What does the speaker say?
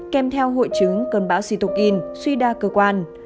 kèm theo hội chứng cơn bão situgin suy đa cơ quan